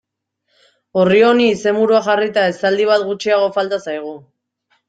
Orri honi izenburua jarrita, esaldi bat gutxiago falta zaigu.